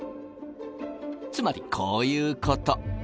つまりこういうこと。